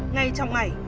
ngay trong ngày